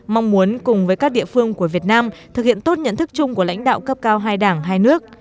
mong muốn cùng với các địa phương của việt nam thực hiện tốt nhận thức chung của lãnh đạo cấp cao hai đảng hai nước